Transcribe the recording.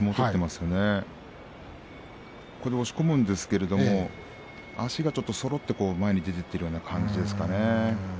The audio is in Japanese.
ただ押し込むんですが足がそろって前に出ていっているような感じですかね。